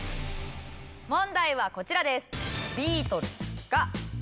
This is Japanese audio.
問題はこちらです。